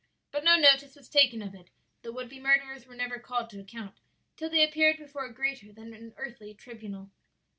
"But no notice was taken of it; the would be murderers were never called to account till they appeared before a greater than an earthly tribunal.